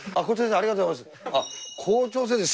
校長先生、ありがとうございます。